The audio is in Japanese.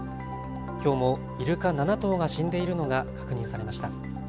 きょうもイルカ７頭が死んでいるのが確認されました。